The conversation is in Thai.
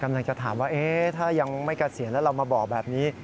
กำลังจะถามว่าถ้ายังไม่เกษียณแล้วเรามาบอกแบบนี้